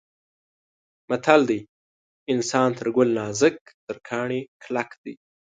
متل دی: انسان تر ګل نازک تر کاڼي کلک دی.